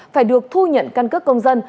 phải được thu nhận căn cức công dân